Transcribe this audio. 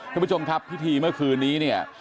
คุณผู้ชมครับพิธีเมื่อคืนนี้เนี่ย